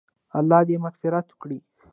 الله دې مغفرت وکړي -